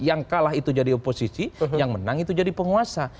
yang kalah itu jadi oposisi yang menang itu jadi penguasa